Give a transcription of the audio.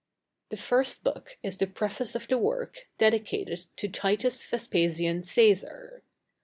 The 1st book is the Preface of the Work, dedicated to Titus Vespasian Cæsar.